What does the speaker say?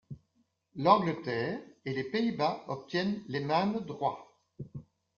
L'Angleterre et les Pays-Bas obtiennent les mêmes droits.